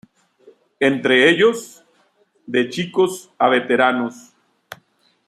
Entre ellos, "De chicos a veteranos.